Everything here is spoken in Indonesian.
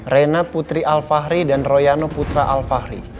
rena putri alfahri dan royano putra alfahri